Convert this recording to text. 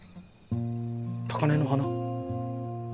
高根の花？